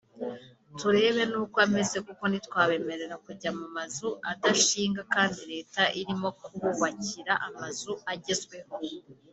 turebe n’uko ameze kuko ntitwabemerera kujya mu mazu adashinga kandi Leta irimo kububakira amazu agezweho